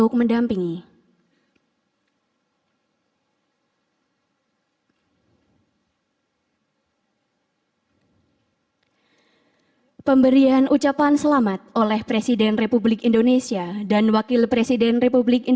kedua keputusan presiden ini mulai berlaku pada tahun dua ribu dua puluh dua